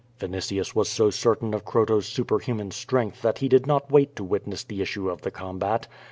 Yinitius was so certain of Croto's superhuman strength that he did not wait to witness the issue of the combat.